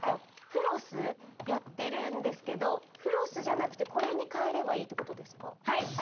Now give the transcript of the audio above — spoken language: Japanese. うん私んですけどフロスじゃなくてこれにかえればいいってことですか？